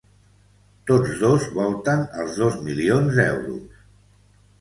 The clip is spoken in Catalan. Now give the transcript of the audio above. Tots dos volten els dos milions d’euros.